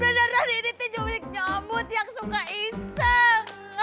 beneran ini teteh jurik nyomut yang suka iseng